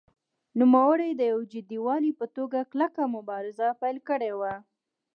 نوموړي د یو جدي والي په توګه کلکه مبارزه پیل کړې وه.